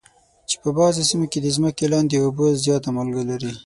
چې په بعضو سیمو کې د ځمکې لاندې اوبه زیاته مالګه لري.